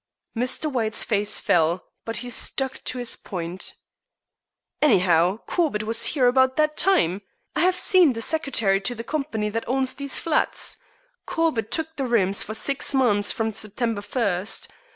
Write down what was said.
Mr. White's face fell, but he stuck to his point: "Anyhow, Corbett was here about that time. I have seen the secretary to the company that owns these flats. Corbett took the rooms for six months from September first.